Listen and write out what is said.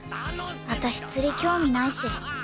私釣り興味ないし。